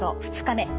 ２日目。